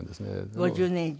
５０年以上？